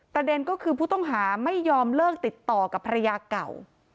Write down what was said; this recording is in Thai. ประเด็นก็คือผู้ต้องหาไม่ยอมเลิกติดต่อกับภรรยาเก่า